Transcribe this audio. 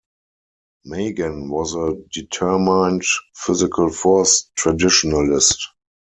Magan was a determined physical force traditionalist.